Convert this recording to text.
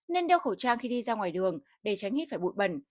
nên đeo khẩu trang khi đi ra ngoài đường để tránh hít phải bụi bẩn